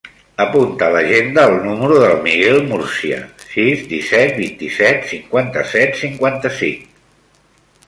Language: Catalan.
Apunta a l'agenda el número del Miguel Murcia: sis, disset, vint-i-set, cinquanta-set, cinquanta-cinc.